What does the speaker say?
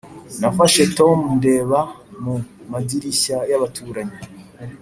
[nafashe tom ndeba mu madirishya y'abaturanyi.